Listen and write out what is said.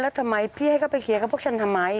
แล้วทำไมพี่ให้เขาไปเคลียร์กับพวกฉันทำไม